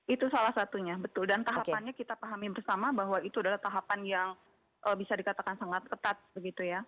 itu salah satunya betul dan tahapannya kita pahami bersama bahwa itu adalah tahapan yang bisa dikatakan sangat ketat begitu ya